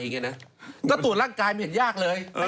แล้วตรวจร่างกายมันเห็นยากเลย